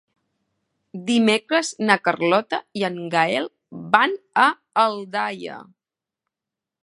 Dimecres na Carlota i en Gaël van a Aldaia.